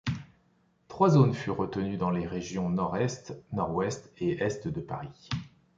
Trois zones furent retenues dans les régions Nord-Est, Nord-Ouest et Est de Paris.